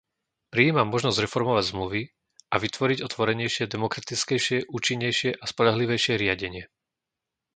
Prijímam možnosť reformovať zmluvy a vytvoriť otvorenejšie, demokratickejšie, účinnejšie a spoľahlivejšie riadenie.